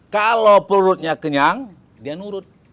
kalau pelurutnya kenyang dia nurut